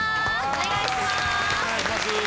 お願いします！